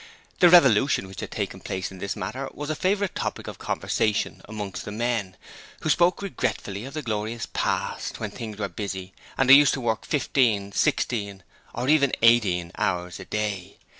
The revolution which had taken place in this matter was a favourite topic of conversation amongst the men, who spoke regretfully of the glorious past, when things were busy, and they used to work fifteen, sixteen and even eighteen hours a day.